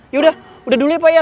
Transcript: yaudah udah dulu ya pak ya